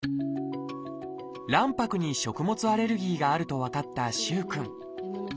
卵白に食物アレルギーがあると分かった萩くん。